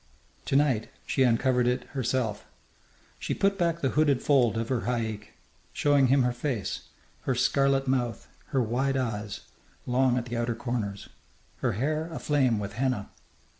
To night she uncovered it herself. She put back the hooded fold of her haik, showing him her face, her scarlet mouth, her wide eyes, long at the outer corners, her hair aflame with henna.